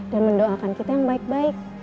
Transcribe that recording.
dan mendoakan kita yang baik baik